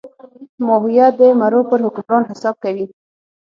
ماهویه د مرو پر حکمران حساب کوي.